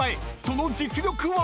その実力は⁉］